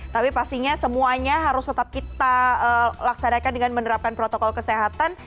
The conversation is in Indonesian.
tapi pastinya semuanya harus tetap kita laksanakan dengan menerapkan protokol kesehatan